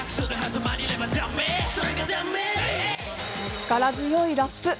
力強いラップ。